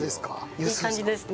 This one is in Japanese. いい感じですね。